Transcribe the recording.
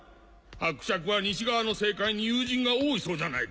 伯爵は西側の政界に友人が多いそうじゃないか。